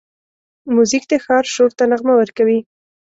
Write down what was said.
موزیک د ښار شور ته نغمه ورکوي.